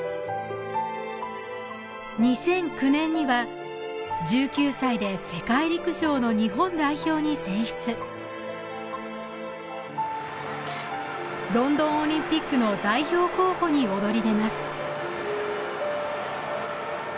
２００９年には１９歳で世界陸上の日本代表に選出ロンドンオリンピックの代表候補に躍り出ます